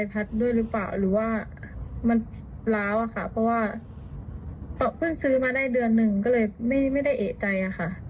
ก็เลยไม่ได้เอกใจอ่ะค่ะ